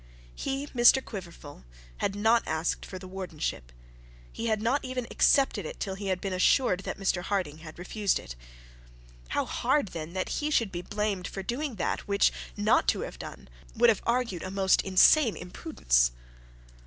He, Mr Quiverful, had not asked for the wardenship; he had not even accepted it till he had been assured that Mr Harding had refused it. How hard then that he should be blamed for doing that which not to have done would have argued a most insane imprudence!